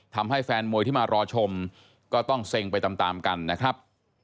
ทำให้แฟนมวยที่มารอชมก็ต้องเซ็งไปตามตามกันนะครับ